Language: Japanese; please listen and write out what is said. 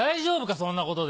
そんなことで。